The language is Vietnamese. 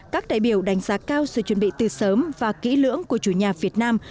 các đại biểu đánh giá cao sự chuẩn bị từ sớm và kỹ lưỡng của chủ nhà việt nam